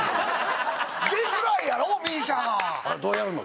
出づらいやろＭＩＳＩＡがどうやるの？